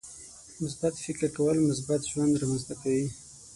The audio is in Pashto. • مثبت فکر کول، مثبت ژوند رامنځته کوي.